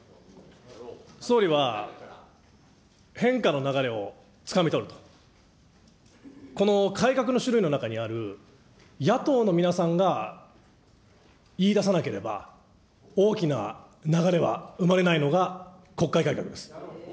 総理は変化の流れをつかみ取ると、この改革の種類の中にある、野党の皆さんが言いださなければ、大きな流れは生まれないのが国会改革です。